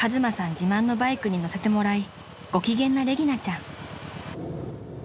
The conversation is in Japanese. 自慢のバイクに乗せてもらいご機嫌なレギナちゃん］